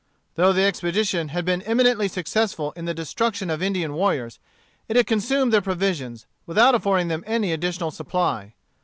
Though the expedition had been eminently successful in the destruction of Indian warriors, it had consumed their provisions, without affording them any additional supply.